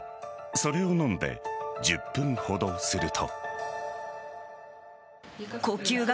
それを飲んで１０分ほどすると。